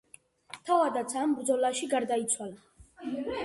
თავადაც ამ ბრძოლაში გარდაიცვალა.